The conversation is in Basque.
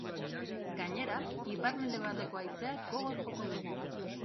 Gainera, ipar-mendebaldeko haizeak gogor joko du.